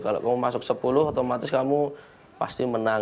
kalau kamu masuk sepuluh otomatis kamu pasti menang